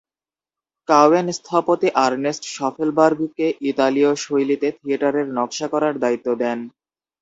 কাউয়েন স্থপতি আর্নেস্ট শফেলবার্গকে ইতালীয় শৈলীতে থিয়েটারের নকশা করার দায়িত্ব দেন।